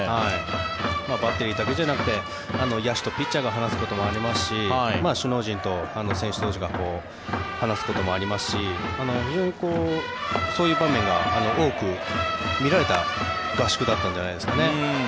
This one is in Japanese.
バッテリーだけじゃなくて野手とピッチャーが話すこともありますし首脳陣と選手同士が話すこともありますし非常にそういう場面が多く見られた合宿だったんじゃないですかね。